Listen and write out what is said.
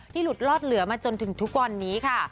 หลุดลอดเหลือมาจนถึงทุกวันนี้ค่ะ